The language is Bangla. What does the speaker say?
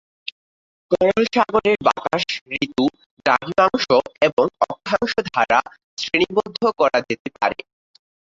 কোরাল সাগরের বাতাস ঋতু, দ্রাঘিমাংশ এবং অক্ষাংশ দ্বারা শ্রেণিবদ্ধ করা যেতে পারে।